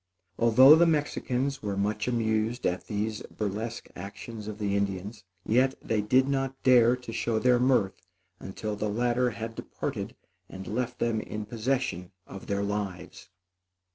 Although the Mexicans were much amused at these burlesque actions of the Indians, yet they did not dare to show their mirth until the latter had departed and left them in possession of their lives.